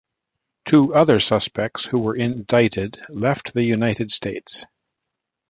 Two other suspects who were indicted left the United States.